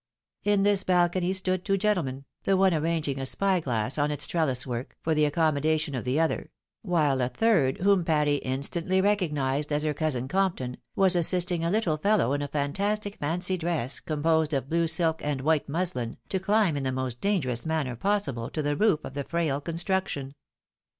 In this balcony stood two gentlemen, the one arranging a spy glass on its trellis work, for the accommodation of the other ; while a third, whom Patty instantly recognised as her cousin Compton, was assisting a little fellow in a fantastic fancy dress, composed of blue silk and white muslin, to chmb in the most dangerous manner possible to the roof of the frail construction.